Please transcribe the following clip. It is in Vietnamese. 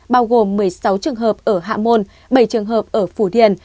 bao gồm một mươi sáu trường hợp ở hạ môn bảy trường hợp ở phủ điền